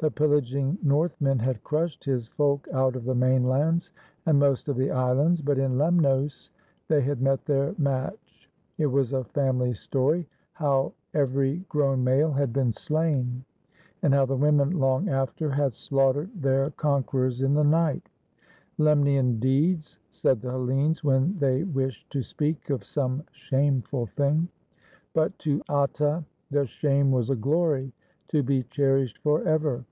The pillaging northmen had crushed his folk out of the mainlands and most of the islands, but in Lemnos they had met their match. It was a family story how every grown male had been slain, and how the women long after had slaughtered their conquerors in the night. "Lemnian deeds," said the Hellenes, when they wished to speak of some shameful thing; but to Atta the shame was a glory to be cherished forever.